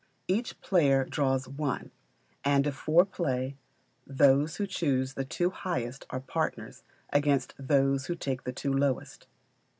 Each player draws one, and if four play, those who choose the two highest are partners against these who take the two lowest.